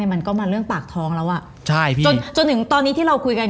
มันก็มาเรื่องปากท้องแล้วจนถึงตอนนี้ที่เราคุยให้กัน